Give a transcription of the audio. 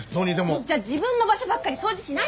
じゃあ自分の場所ばっかり掃除しないでください！